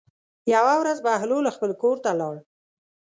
یوه ورځ بهلول خپل کور ته لاړ.